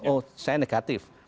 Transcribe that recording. oh saya negatif